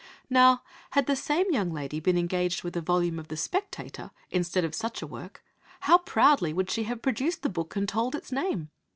Now, had the same young lady been engaged with a volume of the Spectator, instead of such a work, how proudly would she have produced the book, and told its name!